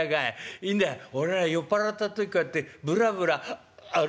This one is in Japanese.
いいんだ俺は酔っ払った時こうやってブラブラ歩くの好きな」。